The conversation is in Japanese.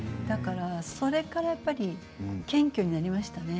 それからやっぱり謙虚になりましたね。